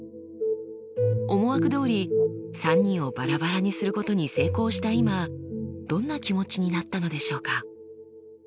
思惑どおり３人をバラバラにすることに成功した今どんな気持ちになったのでしょうか？